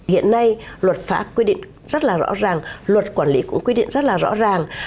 hiện nay luật pháp quy định rất là rõ ràng luật quản lý cũng quy định rất là rõ ràng